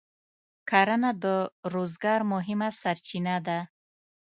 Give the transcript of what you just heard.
کرنه د روزګار مهمه سرچینه ده.